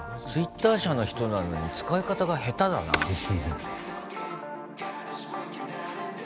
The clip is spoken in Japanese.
ツイッター社の人なのに使い方が下手だなぁ。